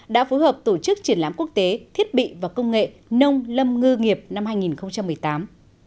đã phối hợp tổ chức triển lãm quốc tế thiết bị và công nghệ nông lâm ngư nghiệp năm hai nghìn một mươi tám